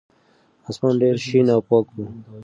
اسمان ډېر شین او پاک و.